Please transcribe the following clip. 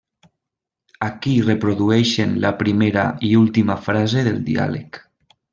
Aquí reprodueixen la primera i última frase del diàleg.